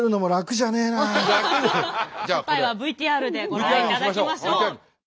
答えはＶＴＲでご覧いただきましょう。